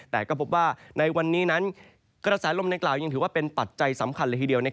แต่ก็พบว่าในวันนี้กฎาศาลลมในกล่ายังถือว่าเป็นปัจจัยสำคัญทีเดียว